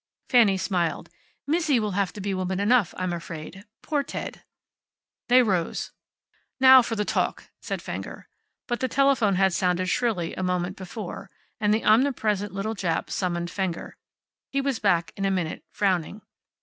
Fanny smiled. "Mizzi will have to be woman enough, I'm afraid. Poor Ted." They rose. "Now for the talk," said Fenger. But the telephone had sounded shrilly a moment before, and the omnipresent little Jap summoned Fenger. He was back in a minute, frowning.